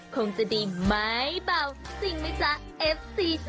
คงจะดีไหมเบาจริงไหมจ๊ะเอฟซี